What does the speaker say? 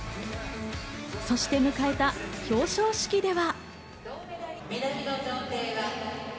そして迎えた表彰式では。